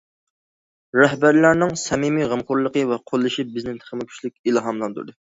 رەھبەرلەرنىڭ سەمىمىي غەمخورلۇقى ۋە قوللىشى بىزنى تېخىمۇ كۈچلۈك ئىلھاملاندۇردى.